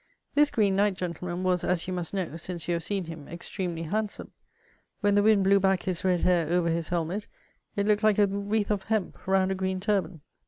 <* This Green Knight, gentlemen, was, as you must know, since you have seen him, extremely handsome; when the wind blew back his red hair over his helmet, it looked like a wreath of hemp round a green turban."